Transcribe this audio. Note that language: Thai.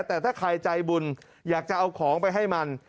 แต่ถ้าใครใจบุญอยากจะเอาของไปให้มัน